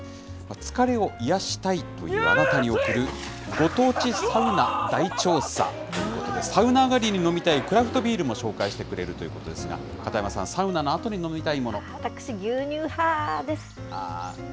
疲れを癒やしたいというあなたに贈る、ご当地サウナ大調査ということで、サウナ上がりに飲みたいクラフトビールも紹介してくれるということですが、片山さん、私、牛乳派です。